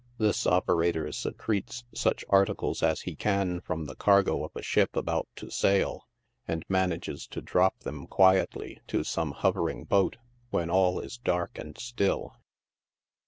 This operator secretes such articles as he can from the cargo of a ship about to sail, and manages to drop them quietly to some hovering boat when all is dark and still.